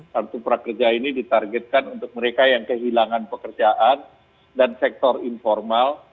kartu prakerja ini ditargetkan untuk mereka yang kehilangan pekerjaan dan sektor informal